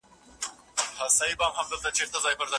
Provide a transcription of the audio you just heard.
شمېر به یې ډېر کم وو.